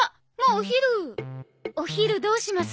お昼どうします？